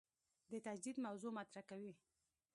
د تجدید موضوع مطرح کوي.